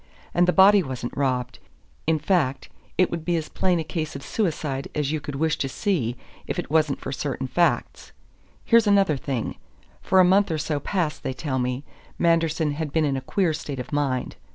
And the body wasn't robbed. In fact, it would be as plain a case of suicide as you could wish to see, if it wasn't for certain facts. Here's another thing: for a month or so past, they tell me, Manderson had been in a queer state of mind.